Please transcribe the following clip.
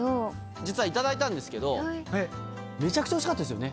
実は頂いたんですけど、めちゃくちゃおいしかったですよね。